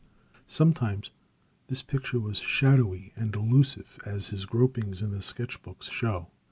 Sometimes this picture was shadowy and elusive, as his gropings in the sketch books show.